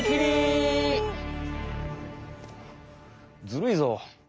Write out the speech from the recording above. ずるいぞ。